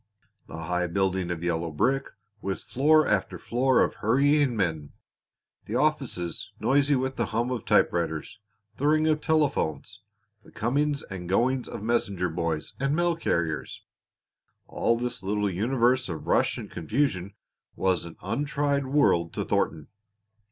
The high building of yellow brick with floor after floor of hurrying men, the offices noisy with the hum of typewriters, the ring of telephones, the comings and goings of messenger boys and mail carriers all this little universe of rush and confusion was an untried world to Thornton.